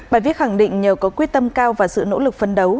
bài viết khẳng định nhờ có quyết tâm cao và sự nỗ lực phân đấu